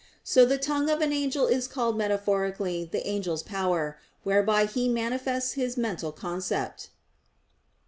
So the tongue of an angel is called metaphorically the angel's power, whereby he manifests his mental concept.